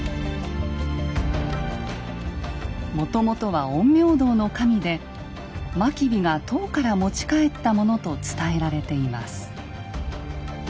もともとは陰陽道の神で真備が唐から持ち帰ったものと伝えられています。